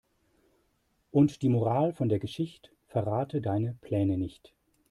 Und die Moral von der Geschicht': Verrate deine Pläne nicht.